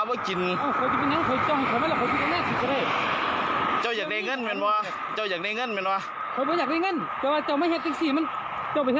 เป็นเรื่องจากเวลาเวลามีเ